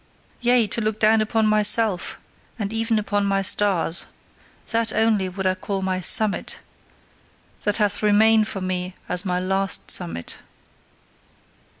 Yea! To look down upon myself, and even upon my stars: that only would I call my SUMMIT, that hath remained for me as my LAST summit!